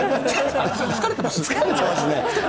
疲れてます？